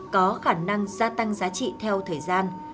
có khả năng gia tăng giá trị theo thời gian